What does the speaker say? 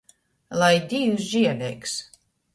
Lai Dīvs žieleigs!